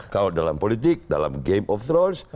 kalau dalam politik dalam game of thrones